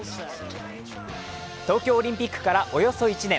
東京オリンピックからおよそ１年。